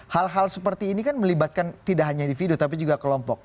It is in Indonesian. hal hal seperti ini kan melibatkan tidak hanya individu tapi juga kelompok